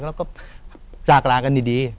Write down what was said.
เราก็จากลากันดี